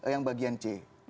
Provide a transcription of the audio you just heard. yang bagian c